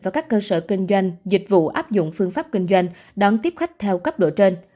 và các cơ sở kinh doanh dịch vụ áp dụng phương pháp kinh doanh đón tiếp khách theo cấp độ trên